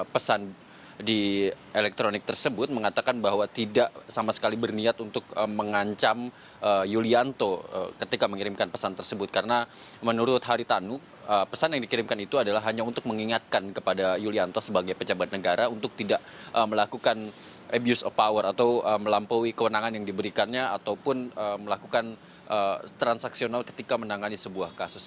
pesan di elektronik tersebut mengatakan bahwa tidak sama sekali berniat untuk mengancam yulianto ketika mengirimkan pesan tersebut karena menurut haritanu pesan yang dikirimkan itu adalah hanya untuk mengingatkan kepada yulianto sebagai pejabat negara untuk tidak melakukan abuse of power atau melampaui kewenangan yang diberikannya ataupun melakukan transaksional ketika menangani sebuah kasus